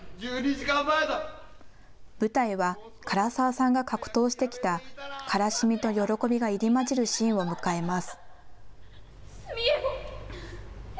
舞台は柄沢さんが格闘してきた悲しみと喜びが入り交じるシーンを迎えます。